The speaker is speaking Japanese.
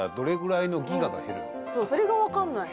そうそれが分かんない